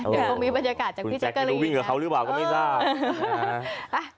เดี๋ยวคงมีบรรยากาศจากพี่แจ๊กเกอร์รีนะครับคุณแจ๊กไม่รู้วิ่งเหลือเขาหรือเปล่าก็ไม่ทราบ